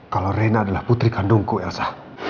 kalau rena adalah putri kandungku elsa